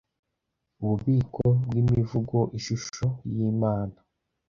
Ububiko bwImivugo IsiIshusho yImana